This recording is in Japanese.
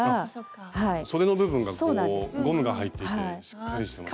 そでの部分がゴムが入っていてしっかりしてますね。